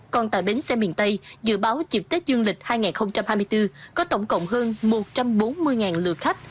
còn tại bến xe miền tây dự báo dịp tết dương lịch hai nghìn hai mươi bốn có tổng cộng hơn một trăm bốn mươi lượt khách